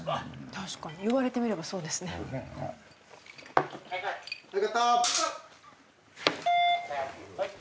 確かに言われてみればそうですねさあ